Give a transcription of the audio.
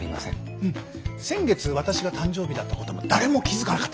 うん先月私が誕生日だったことも誰も気付かなかったから大丈夫。